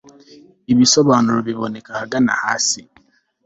ibisobanuro biboneka ahagana hasi